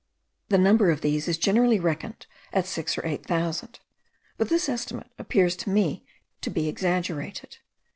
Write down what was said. The number of these is generally reckoned at six or eight thousand; but this estimate appears to me to be exaggerated.